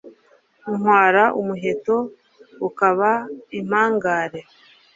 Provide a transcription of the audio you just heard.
ntwara umuheto ukaba impangare